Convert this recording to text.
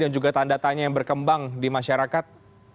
dan juga tanda tanya yang berkembang di masyarakat